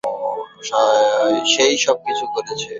সেই সবকিছু করেছে।